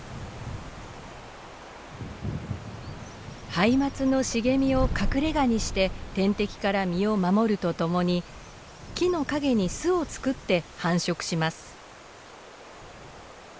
ハイマツの茂みを隠れがにして天敵から身を守るとともに木の陰に巣を作って繁殖します。